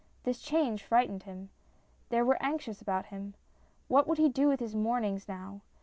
This change frightened them. They were anxious about him. What would he do with his mornings now